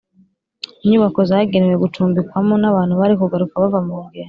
inyubako zagenewe gucumbikwamo n’abantu bari kugaruka bava mugendo